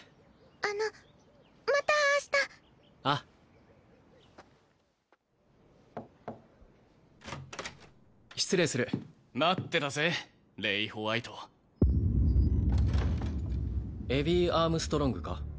あのまた明日ああ失礼する待ってたぜレイ＝ホワイトエヴィ＝アームストロングか？